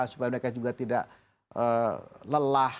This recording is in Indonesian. supaya mereka juga tidak lelah